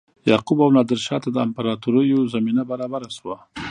یعقوب او نادرشاه ته د امپراتوریو زمینه برابره شوه.